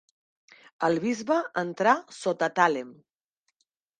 El bisbe entrà sota tàlem.